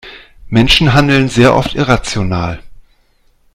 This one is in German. Menschen handeln sehr oft irrational.